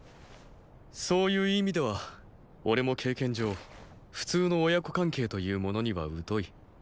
そういう意味では俺も経験上普通の親子関係というものには疎い。